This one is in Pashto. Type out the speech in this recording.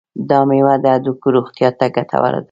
دا میوه د هډوکو روغتیا ته ګټوره ده.